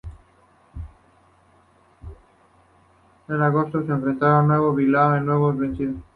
En agosto se enfrentaron de nuevo en Bilbao, donde de nuevo venció.